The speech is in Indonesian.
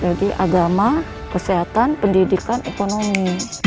jadi agama kesehatan pendidikan ekonomi